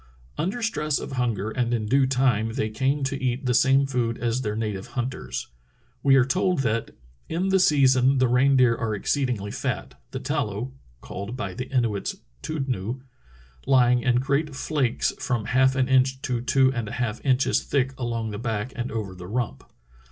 Under stress of hunger and in due time they came to eat the same food as their native hunters. We are told that In the season the reindeer are exceedingly fat, the tallow (called by the Inuits tudnoo) lying in great flakes from half an inch to two and a half inches thick along the back and over the rump.